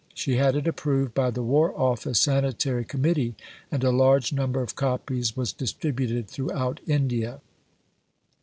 She had it approved by the War Office Sanitary Committee, and a large number of copies was distributed throughout India.